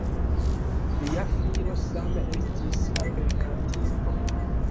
Lia filo same estis operkantisto.